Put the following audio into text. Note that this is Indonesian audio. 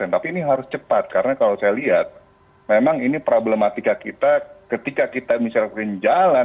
tapi ini harus cepat karena kalau saya lihat memang ini problematika kita ketika kita misalkan jalan